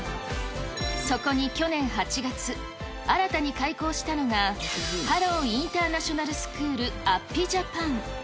そこに去年８月、新たに開校したのが、ハロウインターナショナルスクール安比ジャパン。